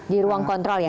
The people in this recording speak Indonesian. di ruang kontrol ya